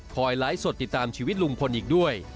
ไลฟ์สดติดตามชีวิตลุงพลอีกด้วย